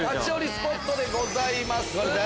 スポットでございます。